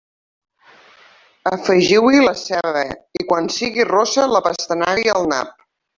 Afegiu-hi la ceba i, quan sigui rossa, la pastanaga i el nap.